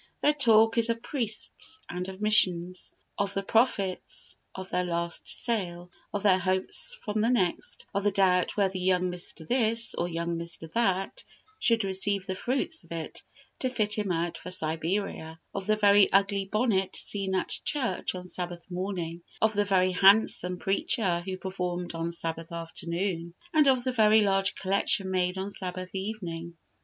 Their talk is of priests and of missions; of the profits of their last sale, of their hopes from the next; of the doubt whether young Mr. This or young Mr. That should receive the fruits of it to fit him out for Siberia; of the very ugly bonnet seen at church on Sabbath morning; of the very handsome preacher who performed on Sabbath afternoon; and of the very large collection made on Sabbath evening.